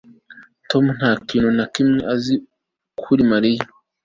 Tom nta kintu na kimwe azi kuri Mariya